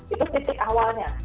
itu titik awalnya